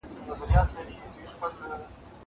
فکر وکړه!